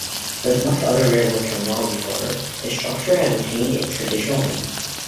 Like much other railroad terminology, however, the structure has retained its traditional name.